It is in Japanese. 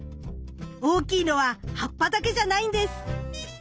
大きいのは葉っぱだけじゃないんです。